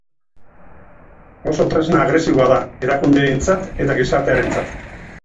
Oso tresna agresiboa da erakundeentzat eta gizartearentzat.